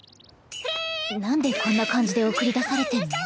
なんでこんな感じで送り出されてんの？